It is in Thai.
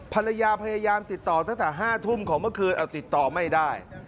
ภรรยาพยายามติดต่อตั้งแต่๕ทุ่มของเมื่อคืนเอาติดต่อไม่ได้